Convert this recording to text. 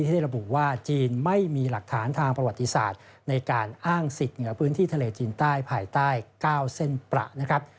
ได้ระบุว่าจีนไม่มีหลักฐานทางประวัติศาสตร์ในการอ้างสิทธิ์เหนือพื้นที่ทะเลจีนใต้ภายใต้๙เส้นประนะครับ